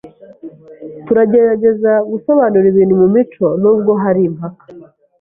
Turagerageza gusobanura ibintu mumico; nubwo hari imipaka.